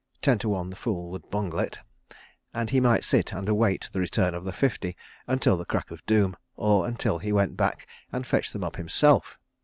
... Ten to one the fool would bungle it, and he might sit and await the return of the fifty until the crack of doom, or until he went back and fetched them up himself.